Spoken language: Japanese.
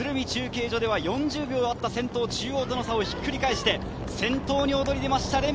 中継所では４０秒あった先頭との差をひっくり返して先頭に躍り出ました。